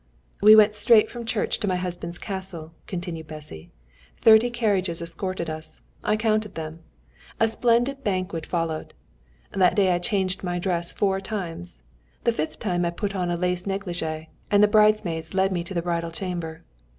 "We went straight from church to my husband's castle," continued Bessy. "Thirty carriages escorted us. I counted them. A splendid banquet followed. That day I changed my dress four times. The fifth time I put on a lace négligé, and the bridesmaids led me to the bridal chamber.